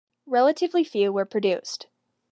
Relatively few were produced.